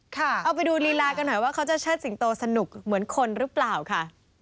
แต่ว่าเขาจะเชิดสิงโตสนุกเหมือนคนหรือเปล่าค่ะ